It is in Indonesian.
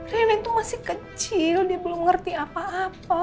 rian itu masih kecil dia belum ngerti apa apa